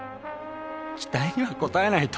期待には応えないと。